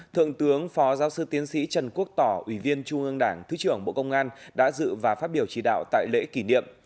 thượng tướng phó giáo sư tiến sĩ trần quốc tỏ ủy viên trung ương đảng thứ trưởng bộ công an đã dự và phát biểu chỉ đạo tại lễ kỷ niệm